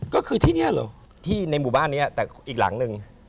ก็คือที่นี่เหรอที่ในหมู่บ้านนี้แต่อีกหลังหนึ่ง